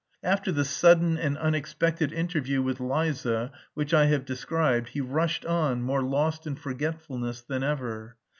After the sudden and unexpected interview with Liza which I have described, he rushed on, more lost in forgetfulness than ever.